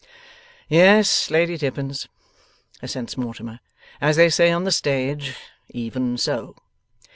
'Yes, Lady Tippins,' assents Mortimer; 'as they say on the stage, "Even so!"